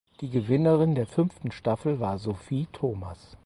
Die Gewinnerin der fünften Staffel war Sofie Thomas.